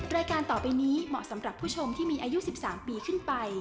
รายการต่อไปนี้เหมาะสำหรับผู้ชมที่มีอายุ๑๓ปีขึ้นไป